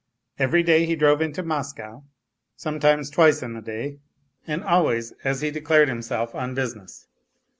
Every day he drove into Moscow, sometimes twice in the day, and always, as he declared himself, on business.